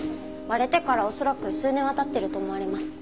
割れてから恐らく数年は経ってると思われます。